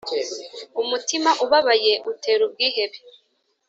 umutima ubabaye utera ubwihebe